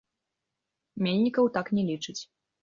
Мельнікаў так не лічыць.